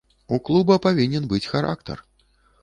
У клуба павінен быць характар.